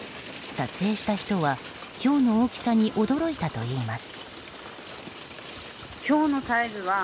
撮影した人は、ひょうの大きさに驚いたといいます。